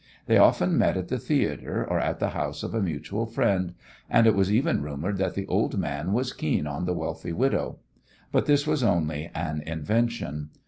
They often met at the theatre or at the house of a mutual friend, and it was even rumoured that the old man was keen on the wealthy widow; but this was only an invention.